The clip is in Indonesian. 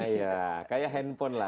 iya kayak handphone lah